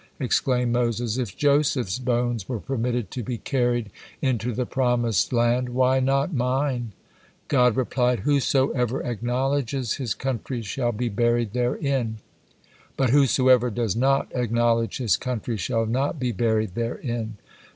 exclaimed Moses, "If Joseph's bones were permitted to be carried into the promised land, why not mine?" God replied, "Whosoever acknowledges his country shall be buried therein, but whosoever does not acknowledge his country shall not be buried therein.